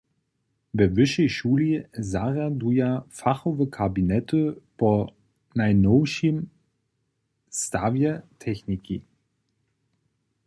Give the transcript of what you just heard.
We wyšej šuli zarjaduja fachowe kabinety po najnowšim stawje techniki.